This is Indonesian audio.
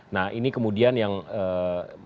nah ini kemudian yang ee